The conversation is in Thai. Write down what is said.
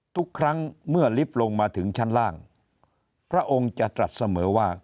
ทุกครั้งเมื่อลิฟต์ลงมาถึงชั้นล่างพระองค์จะตรัสเสมอว่า